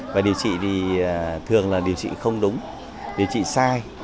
và điều trị thì thường là điều trị không đúng điều trị sai